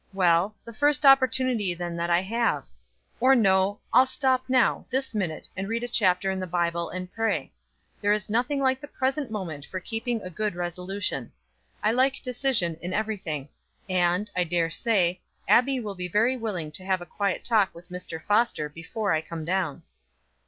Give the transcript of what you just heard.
Well, the first opportunity then that I have or no I'll stop now, this minute, and read a chapter in the Bible and pray; there is nothing like the present moment for keeping a good resolution. I like decision in everything and, I dare say, Abbie will be very willing to have a quiet talk with Mr. Foster before I come down."